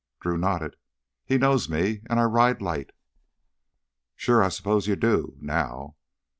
Drew nodded. "He knows me, and I ride light—" "Sure, I suppose you do—now."